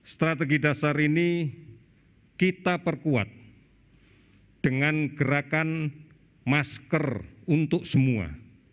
strategi dasar ini kita perkuat dengan gerakan masker untuk semua